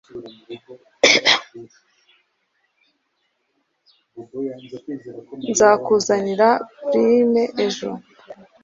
Nzakuzanira plum ejo